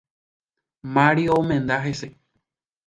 Mario omenda hese.